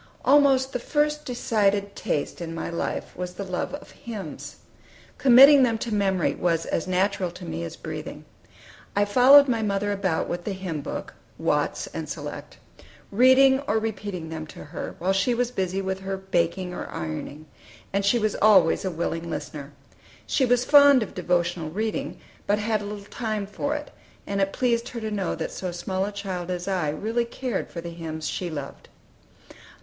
ALMOST the first decided taste in my life was the love of hymns. Committing them to memory was as natural to me as breathing. I followed my mother about with the hymn book ("Watts' and Select"), reading or repeating them to her, while she was busy with her baking or ironing, and she was always a willing listener. She was fond of devotional reading, but had little time for it, and it pleased her to know that so small a child as I really cared for the hymns she loved.